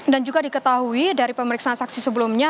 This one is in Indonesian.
dan juga diketahui dari pemeriksaan saksi sebelumnya